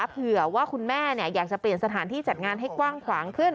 เผื่อว่าคุณแม่อยากจะเปลี่ยนสถานที่จัดงานให้กว้างขวางขึ้น